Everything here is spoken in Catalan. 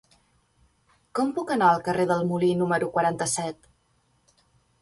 Com puc anar al carrer del Molí número quaranta-set?